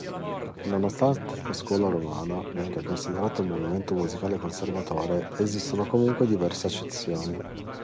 Nonostante la "Scuola romana" venga considerata un movimento musicale conservatore, esistono comunque diverse eccezioni.